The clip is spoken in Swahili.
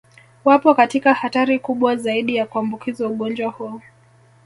Wapo katika hatari kubwa zaidi ya kuambukizwa ugonjwa huu